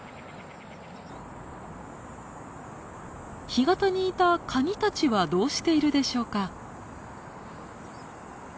干潟にいたカニたちはどうしているでしょうか？